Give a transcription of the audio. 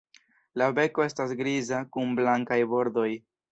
La beko estas griza kun blankaj bordoj.